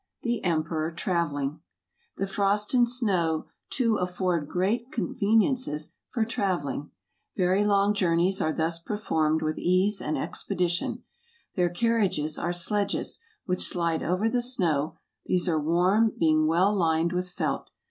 The Emperor travelling . The frost and snow too afford great conve¬ niences for travelling; very long journeys are thus performed with ease and expedition. Their carriages are sledges, which slide over the snow; these are warm, being well lined with felt.